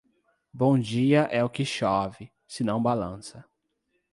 Bom dia é o que chove, se não balança.